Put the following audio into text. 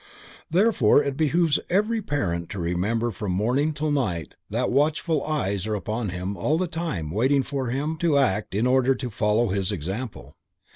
Therefore it behooves every parent to remember from morning till night that watchful eyes are upon him all the time waiting but for him to act in order to follow his example.